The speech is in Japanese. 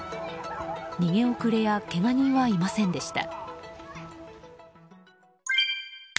逃げ遅れやけが人はいませんでした。